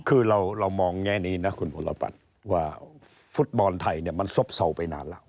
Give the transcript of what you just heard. คือเรามองแง่นี้นะคุณอุรบัตรว่าฟุตบอลไทยเนี่ยมันซบเศร้าไปนานแล้ว